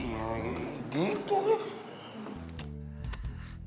ya gitu ya